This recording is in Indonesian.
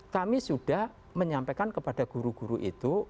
kami sudah menyampaikan kepada guru guru itu